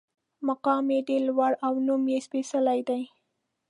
مقام یې ډېر لوړ او نوم یې سپېڅلی دی.